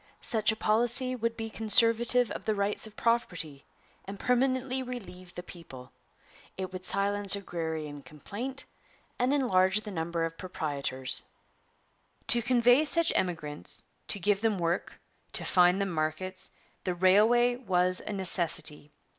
Such a policy would be conservative of the rights of property and permanently relieve the people. It would silence agrarian complaint and enlarge the number of proprietors.' To convey such emigrants, to give them work, to find them markets, the railway was a necessity.